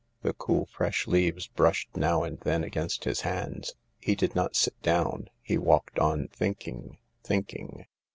The cool, fresh leaves brushed now and then against his hands. He did not sit down ; he walked on thinking, thinking.